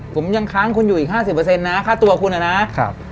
ผมยังค้างคุณอยู่อีก๕๐นะค่าตัวคุณนะครับ